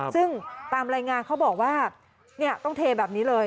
ซึ่งตามรายงานเขาบอกว่าต้องเทแบบนี้เลย